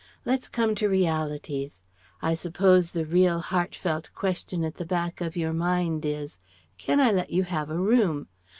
Let's come to realities. I suppose the real heart felt question at the back of your mind is: can I let you have a room?